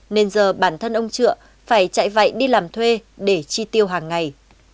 nên giờ bản thân ông trượng phải chạy vậy đi làm thuê để chi tiêu hàng ngày